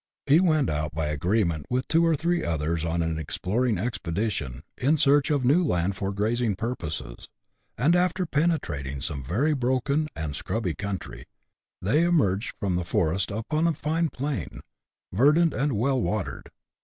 He went out by agreement with two or three others on an ex ploring expedition, in search of new land for grazing purposes, and, after penetrating some very broken and " scrubby " country, they emerged from the forest upon a fine plain, verdant and well watered.